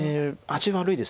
味悪いです。